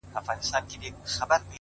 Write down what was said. چي شال يې لوند سي د شړۍ مهتاجه سينه؛